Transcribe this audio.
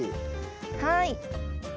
はい。